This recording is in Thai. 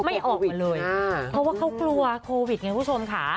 ไม่ออกมาเลยเพราะว่าเขากลัวโควิดไงคุณผู้ชมค่ะ